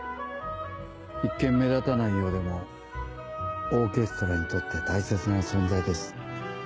一見目立たないようでもオーケストラにとって大切な存在です